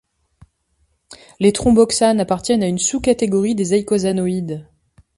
Les thromboxanes appartiennent à une sous-catégorie des eicosanoïdes.